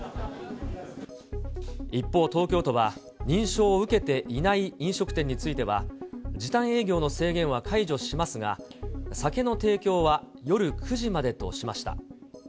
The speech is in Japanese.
一方、東京都は認証を受けていない飲食店については、時短営業の制限は解除しますが、酒の提供は夜９時までとしました。